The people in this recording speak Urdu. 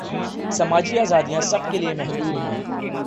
سماجی آزادیاں سب کیلئے محدود ہوں۔